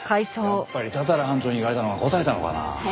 やっぱり多々良班長に言われたのがこたえたのかな？